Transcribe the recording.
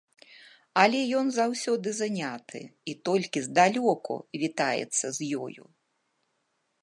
Але ён заўсёды заняты і толькі здалёку вітаецца з ёю.